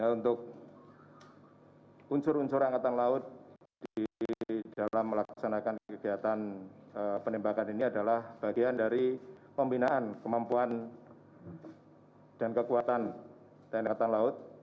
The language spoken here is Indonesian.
untuk unsur unsur angkatan laut di dalam melaksanakan kegiatan penembakan ini adalah bagian dari pembinaan kemampuan dan kekuatan tni angkatan laut